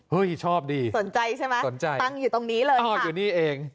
ชอบดีสนใจใช่ไหมสนใจตั้งอยู่ตรงนี้เลยชอบอยู่นี่เอง